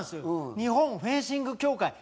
日本フェンシング協会会長です。